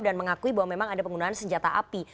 dan mengakui bahwa memang ada penggunaan senjata api